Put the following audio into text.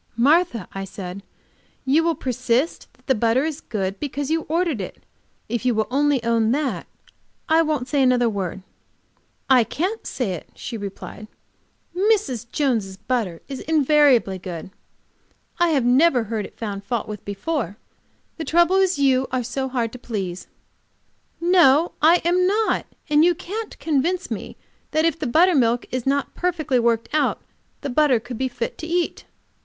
"Martha," I said, "you will persist that the butter is good, because you ordered it. If you will only own that, I won't say another word." "I can't say it," she returned. "Mrs. Jones' butter is invariably good. I never heard it found fault with before. The trouble is you are so hard to please." "No, I am not. And you can't convince me that if the buttermilk is not perfectly worked out, the butter could be fit to eat."